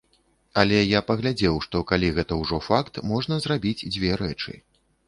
Але я паглядзеў, што калі гэта ўжо факт, можна зрабіць дзве рэчы.